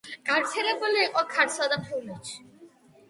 გავრცელებული იყო ქართლსა და მთიულეთში.